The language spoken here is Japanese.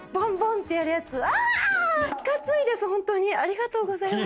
ありがとうございます。